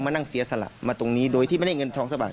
นั่งเสียสละมาตรงนี้โดยที่ไม่ได้เงินทองสะบัด